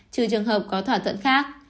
trừ trường hợp có thỏa thuận khác